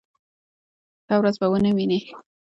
ښه ورځ به و نه وي.